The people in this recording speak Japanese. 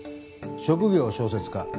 職業小説家。